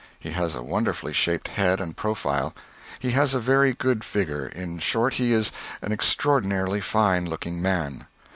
He has a wonderfully shaped head and profile. He has a very good figure in short, he is an extrodinarily fine looking man.